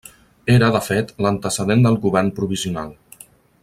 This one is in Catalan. Era, de fet, l'antecedent del govern provisional.